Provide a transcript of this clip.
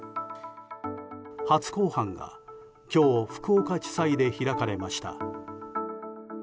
初公判が今日、福岡地裁で開かれました。